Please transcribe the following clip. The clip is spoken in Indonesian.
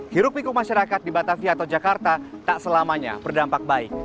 hirup piku masyarakat di batavia atau jakarta tak selamanya berdampak baik